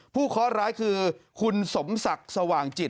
เคาะร้ายคือคุณสมศักดิ์สว่างจิต